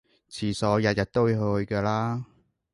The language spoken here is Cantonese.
廁所日日都要去㗎啦